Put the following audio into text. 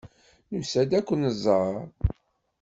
Nusa-d ad ken-nẓer.